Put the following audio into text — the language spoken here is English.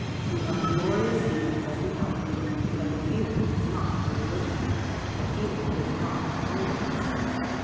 We have glorious feelings as the outcome; but the feeling is not the religion the feeling is not the holiness.